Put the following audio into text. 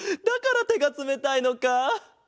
だからてがつめたいのか。